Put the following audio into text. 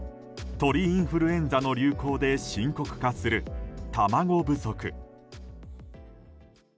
鳥インフルエンザの流行で深刻化する卵不足。